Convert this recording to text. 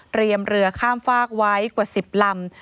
เตรียมเรือข้ามฟากไว้กว่า๑๐ลำ